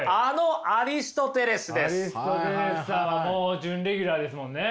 アリストテレスさんはもう準レギュラーですもんね。